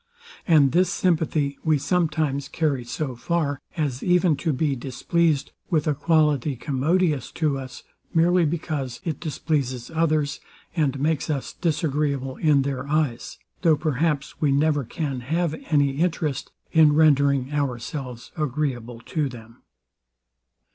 And this sympathy we sometimes carry so far, as even to be displeased with a quality commodious to us, merely because it displeases others, and makes us disagreeable in their eyes; though perhaps we never can have any interest in rendering ourselves agreeable to them.